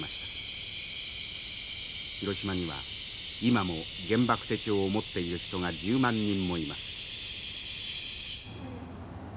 広島には今も原爆手帳を持っている人が１０万人もいます。